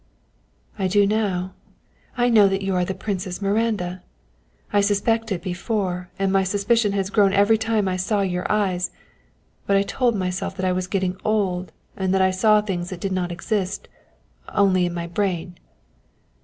"I do now. I know that you are the Princess Miranda. I suspected before, and my suspicion has grown every time I saw your eyes. But I told myself that I was getting old and that I saw things that did not exist only in my brain."